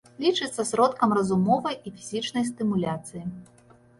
Лічыцца сродкам разумовай і фізічнай стымуляцыі.